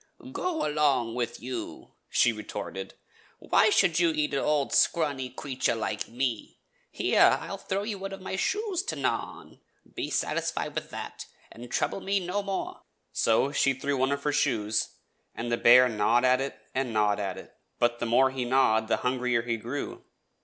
" Go along with you !" she retorted. " Why should you want to eat a scrawny old crea ture like me? Here, I will throw you one of my shoes to gnaw on. Be satisfied with that and trouble me no more." So she threw down one of her shoes, and the bear gnawed and gnawed at it, but the 146 Fairy Tale Bears more he gnawed the hungrier he grew.